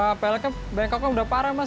wah pelekenya bengkoknya udah parah mas